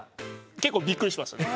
結構びっくりしましたね。